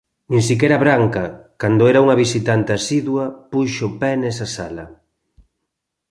nin sequera Branca, cando era unha visitante asidua, puxo o pé nesa sala.